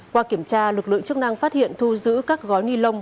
qua kiểm tra lực lượng chức năng phát hiện thu giữ các gói ni lông